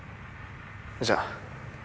じゃあ。